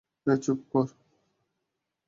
এই চুপ কর!